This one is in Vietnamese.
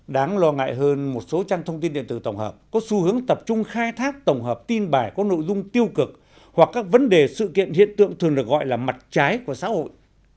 đáng lo ngại hơn một số trang thông tin điện tử tổng hợp có xu hướng tập trung khai thác tổng hợp tin bài có nội dung tiêu cực hoặc các vấn đề sự kiện hiện tượng thường được gọi là mặt trái của xã hội